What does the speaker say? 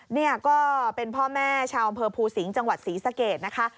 นี่ก็เป็นพ่อแม่ชาวอำเภอภูสิงห์จังหวัดศรีสะเกดนะคะ